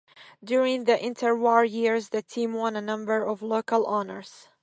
During the inter-war years, the team won a number of local honours.